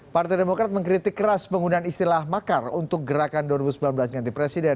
partai demokrat mengkritik keras penggunaan istilah makar untuk gerakan dua ribu sembilan belas ganti presiden